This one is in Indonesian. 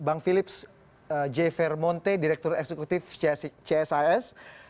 bang philips j fair monte direktur eksekutif csis